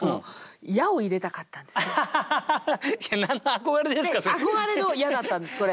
憧れの「や」だったんですこれ。